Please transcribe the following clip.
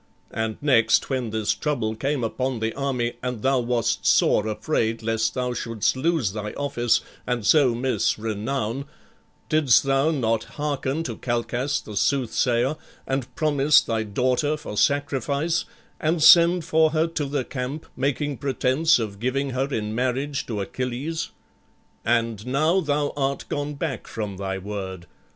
And next, when this trouble came upon the army, and thou wast sore afraid lest thou shouldst lose thy office and so miss renown, didst thou not hearken to Calchas the soothsayer, and promise thy daughter for sacrifice, and send for her to the camp, making pretence of giving her in marriage to Achilles? And now thou art gone back from thy word.